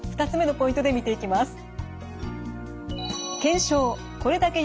２つ目のポイントで見ていきます。